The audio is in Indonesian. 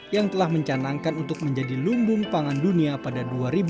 yang telah mencanangkan untuk menjadi lumbung pangan dunia pada dua ribu dua puluh